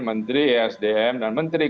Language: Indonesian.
menteri esdm dan menteri